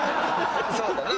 そうだな。